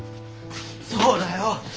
そうだよ。